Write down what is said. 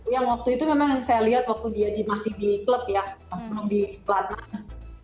yang waktu itu memang saya lihat waktu dia masih di klub ya sebelum di platnas